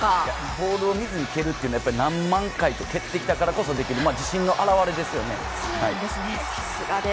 ボールを見ずに蹴るというのは、何万回蹴ってきたからこそできる、自信の表れです。